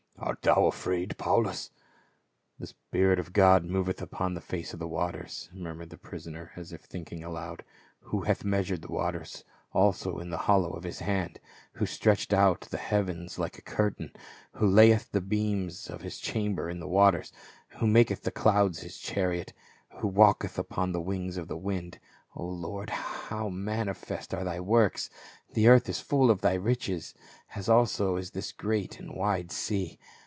"Art thou afraid, Paulus ?" "The spirit of God moveth upon the face of the waters," murmured the prisoner as if thinking aloud. " Who hath measured the waters also in the hollow of his hand ; who stretcheth out the heavens like a curtain ; who layeth the beams of his chamber in the waters ; who maketh the clouds his chariot ; who walketh upon the wings of the wind. O Lord, how manifest are thy works ! the earth is full of thy riches, as also is this great and wide sea.